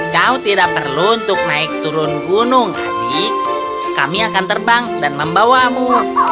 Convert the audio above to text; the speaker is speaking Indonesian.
kau tidak perlu untuk naik turun gunung adik kami akan terbang dan membawamu